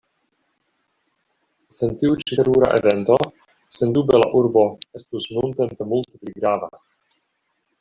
Sen tiu ĉi terura evento, sendube la urbo estus nuntempe multe pli grava.